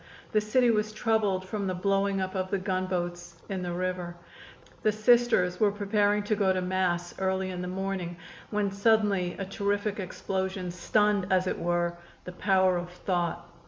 The city was troubled from the blowing up of the gunboats in the river. The Sisters were preparing to go to Mass early in the morning when suddenly a terrific explosion stunned, as it were, the power of thought.